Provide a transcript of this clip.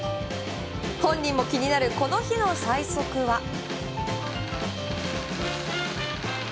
本人も気になるこの日の最速は。